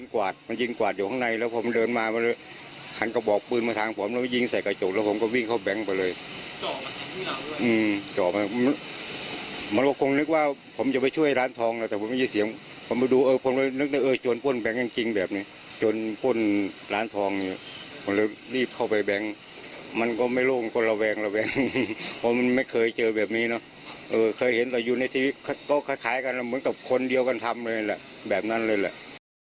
เคยเห็นเราอยู่ในที่ก็คล้ายคล้ายกันอ่ะเหมือนกับคนเดียวกันทำอะไรแบบนั้นเลยแหละ